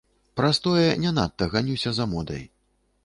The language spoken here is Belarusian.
Праз тое не надта ганюся за модай.